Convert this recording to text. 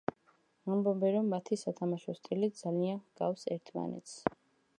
ამბობენ, რომ მათი სათამაშო სტილი ძალიან გავს ერთმანეთს.